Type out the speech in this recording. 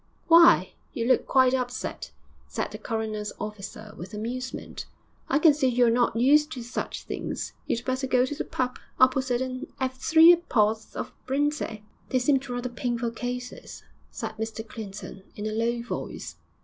'Why, you look quite upset,' said the coroner's officer, with amusement. 'I can see you're not used to such things. You'd better go to the pub. opposite and 'ave three 'aporth of brandy.' 'They seemed rather painful cases,' said Mr Clinton, in a low voice.